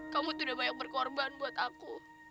kamu tuh udah banyak berkorban buat aku